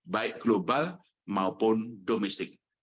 baik global maupun domestik